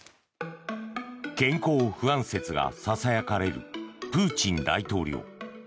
健康不安説がささやかれるプーチン大統領。